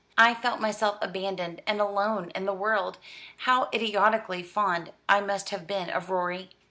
I felt myself abandoned and alone in the world. How idiotically fond I must have been of Rorie.